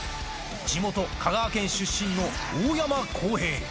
地元、香川県出身の大山康平。